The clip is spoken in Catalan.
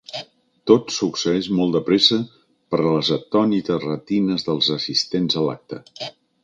Tot succeeix molt de pressa per a les atònites retines dels assistents a l'acte.